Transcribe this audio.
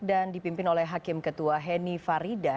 dan dipimpin oleh hakim ketua heni farida